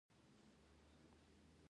درواغجن په ټولنه کښي بې حيثيته ښکاري